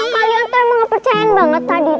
kalian ternyata percaya banget tadi